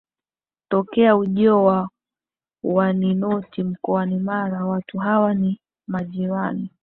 tokea ujio wa Waniloti Mkoani Mara watu hawa ni majirani